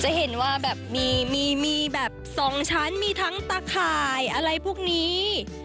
จะเห็นว่าแบบมีแบบ๒ชั้นมีทั้งตาข่ายอะไรพวกนี้